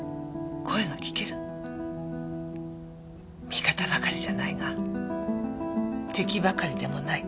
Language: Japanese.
味方ばかりじゃないが敵ばかりでもない。